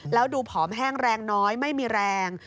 แล้วดูผอมแห้งแรงน้อยไม่มีแรง